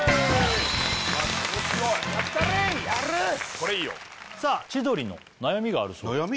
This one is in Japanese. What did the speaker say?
これいいよさあ千鳥の悩みがあるそうで悩み？